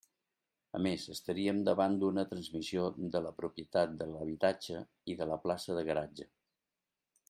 A més estaríem davant d'una transmissió de la propietat de l'habitatge i de la plaça de garatge.